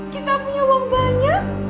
kita punya uang banyak